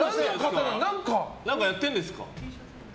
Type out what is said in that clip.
何かやってるんですか。